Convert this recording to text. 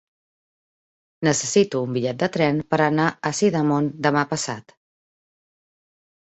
Necessito un bitllet de tren per anar a Sidamon demà passat.